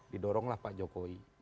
didoronglah pak jokowi